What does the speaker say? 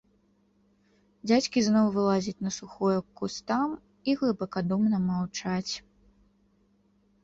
Дзядзькі зноў вылазяць на сухое к кустам і глыбакадумна маўчаць.